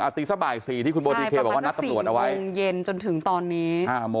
อาตรีสักบ่ายสี่ที่คุณโบทีเคบอกว่านักตรวจเอาไว้ใช่ประมาณสักสิบนึงเย็นจนถึงตอนนี้